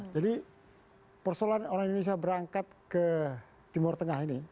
jadi persoalan orang indonesia berangkat ke timur tengah ini